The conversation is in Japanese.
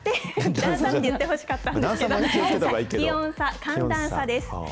だんさって言ってほしかったんですけど、気温差、寒暖差です。